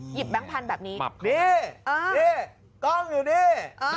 แบงค์พันธุ์แบบนี้นี่กล้องอยู่นี่